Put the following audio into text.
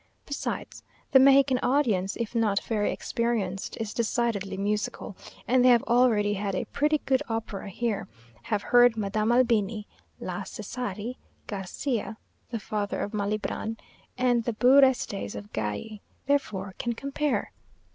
Besides, the Mexican audience, if not very experienced, is decidedly musical; and they have already had a pretty good opera here, have heard Madame Albini, la Cesari, Garcia (the father of Malibran) and the beux restes of Galli; therefore can compare.